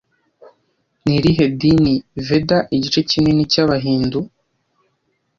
Ni irihe dini Veda igice kinini cy'Abahindu